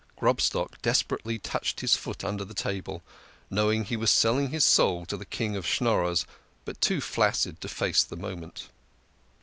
Grobstock desperately touched his foot under the table, knowing he was selling his soul to the King of Schnorrers, but too flaccid to face the moment.